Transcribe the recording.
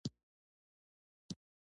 ډیسکټاپ د کمپيوټر یو ډول دی